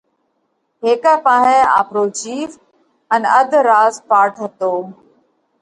هيڪئہ پاهئہ آپرو جِيو ان اڌ راز پاٽ هتو